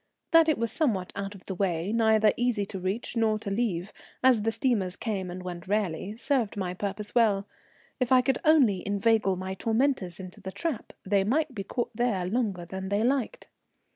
That it was somewhat out of the way, neither easy to reach nor to leave, as the steamers came and went rarely, served my purpose well. If I could only inveigle my tormentors into the trap, they might be caught there longer than they liked.